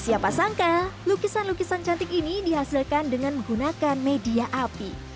siapa sangka lukisan lukisan cantik ini dihasilkan dengan menggunakan media api